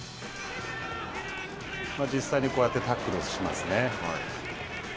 実際にこうやってタックルをしますね。